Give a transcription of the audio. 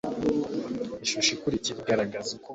ishusho ikurikira iragaragaza uko